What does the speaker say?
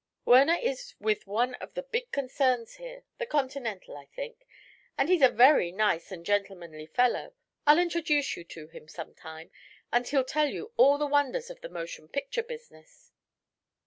Werner is with one of the big concerns here the Continental, I think and he's a very nice and gentlemanly fellow. I'll introduce you to him, some time, and he'll tell you all the wonders of the motion picture business."